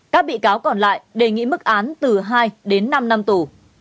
các bị cáo còn lại đề nghị mức án từ hai đến năm năm tù